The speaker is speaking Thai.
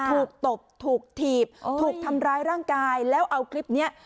ตบถูกถีบถูกทำร้ายร่างกายแล้วเอาคลิปนี้